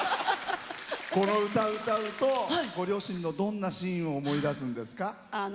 この歌を歌うとご両親のどんなシーンを思い出すんですか？